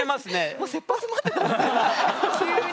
もうせっぱ詰まってたんですね。